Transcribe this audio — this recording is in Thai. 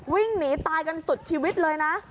วิ่งหนีตายกันสุดชีวิตเลยนะ